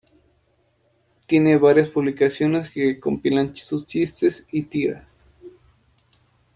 Tiene varias publicaciones que compilan sus chistes y tiras.